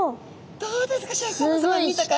どうですか